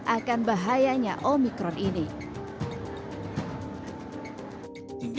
akan bahayanya omikron ini